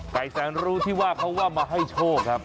แสนรู้ที่ว่าเขาว่ามาให้โชคครับ